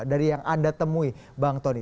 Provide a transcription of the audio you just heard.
dari yang anda temui bang tony